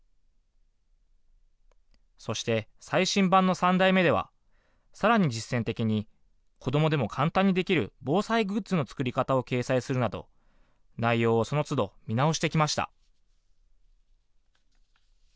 そして、最新版の３代目では、さらに実践的に、子どもでも簡単にできる防災グッズの作り方を掲載するなど、内容をそのつど、見直してきました。